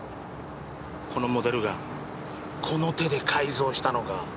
このモデルガンこの手で改造したのか？